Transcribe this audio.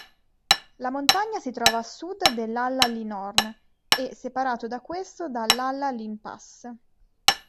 La montagna si trova a sud dell'Allalinhorn e separato da questo dall'Allalinpass.